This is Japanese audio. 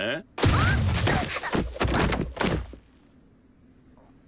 あっえっ？